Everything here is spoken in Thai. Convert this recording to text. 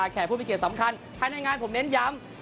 แก่ผู้มีเกียรติสำคัญภายในงานผมเน้นย้ำ